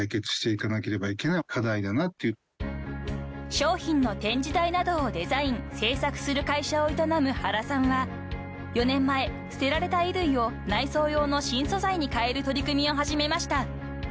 ［商品の展示台などをデザイン制作する会社を営む原さんは４年前捨てられた衣類を内装用の新素材に変える取り組みを始めました］